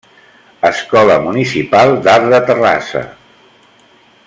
Escola Municipal d’Art de Terrassa.